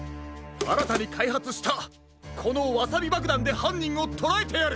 あらたにかいはつしたこのワサビばくだんではんにんをとらえてやる！